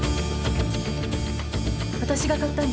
わたしが買ったんです